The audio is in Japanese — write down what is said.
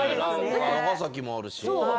長崎もあるしね。